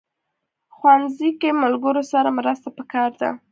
ښوونځی کې له ملګرو سره مرسته پکار ده